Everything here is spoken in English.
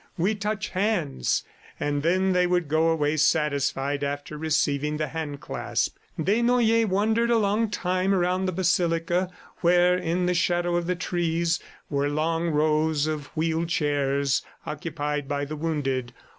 "We touch hands." ... And then they would go away satisfied after receiving the hand clasp. Desnoyers wandered a long time around the basilica where, in the shadow of the trees, were long rows of wheeled chairs occupied by the wounded.